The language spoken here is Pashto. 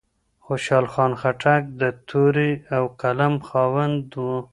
خوشال خان خټک د تورې او قلم خاوند و.